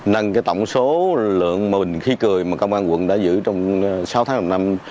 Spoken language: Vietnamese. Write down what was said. nâng tổng số lượng một bình khí cười mà công an quận đã giữ trong sáu tháng một năm